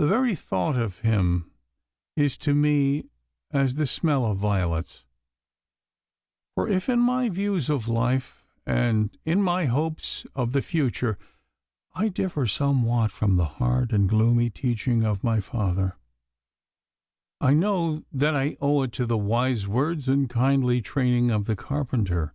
The very thought of him is to me as the smell of violets; for if in my views of life and in my hopes of the future I differ somewhat from the hard and gloomy teaching of my father, I know that I owe it to the wise words and kindly training of the carpenter.